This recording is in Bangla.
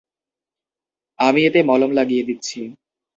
আমি এতে মলম লাগিয়ে দিচ্ছি।